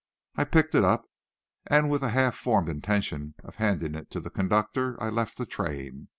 I picked it up, and, with a half formed intention of handing it to the conductor, I left the train.